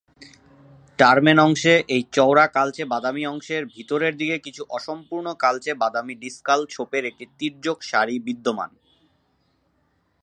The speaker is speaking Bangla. টার্মেন অংশে এই চওড়া কালচে বাদামী অংশের ভিতরের দিকে কিছু অসম্পূর্ণ কালচে বাদামী ডিসকাল ছোপের একটি তীর্যক সারি বিদ্যমান।